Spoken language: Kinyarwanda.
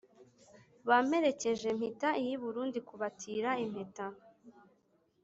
Bamperekeje, Mpita iy’i Burundi kubatira impeta